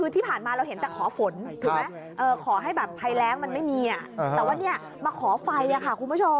แต่ว่ามาขอไฟค่ะคุณผู้ชม